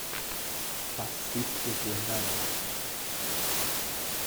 Os pacíficos herdarão a terra.